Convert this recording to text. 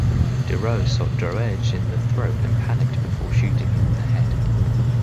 Deroux shot Droege in the throat, and panicked before shooting him in the head.